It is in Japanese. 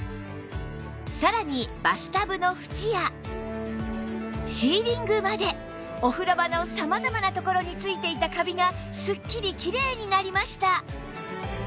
さらにバスタブの縁やシーリングまでお風呂場の様々な所についていたカビがすっきりキレイになりました